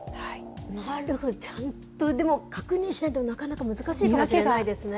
ちゃんと、でも確認しないとなかなか難しいかもしれないですね。